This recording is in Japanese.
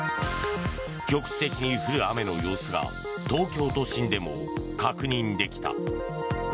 局地的に降る雨の様子が東京都心でも確認できた。